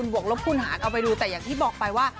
วกลบคูณหารเอาไปดูแต่อย่างที่บอกไปว่า